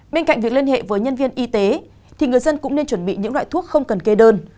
bên cạnh việc liên hệ với nhân viên y tế thì người dân cũng nên chuẩn bị những loại thuốc không cần kê đơn